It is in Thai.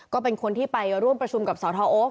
ก็เป็นคนที่ไปร่วมประชุมกับสทโอ๊ค